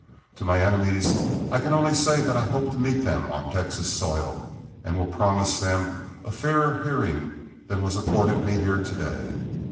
To my enemies, I can only say that I hope to meet them on Texas soil, and will promise them a fairer hearing than was accorded me here to day.